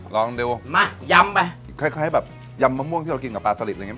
ลองดูมาย้ำไปคล้ายแบบยำมะม่วงที่เรากินกับปลาสลิดอะไรอย่างนี้